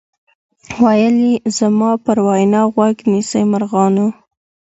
ویل زما پر وینا غوږ نیسۍ مرغانو